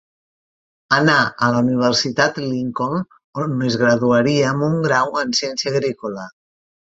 Anà a la Universitat Lincoln on es graduaria amb un grau en ciència agrícola.